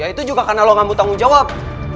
ya itu juga karena lo gak mau tanggung jawab